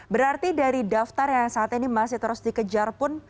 berarti dari daftar yang saat ini masih terus dikejar pun